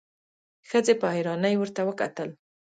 ښځې په حيرانی ورته وکتل.